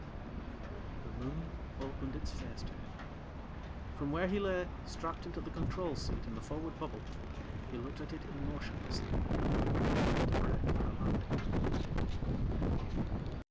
The Moon opened its face to him. From where he lay, strapped into the control seat in the forward bubble, he looked at it emotionlessly, and began to brake for a landing.